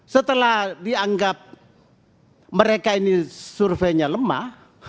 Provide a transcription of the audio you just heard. setelah dianggap mereka ini surveinya lemah